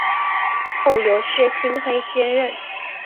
后由薛星辉接任。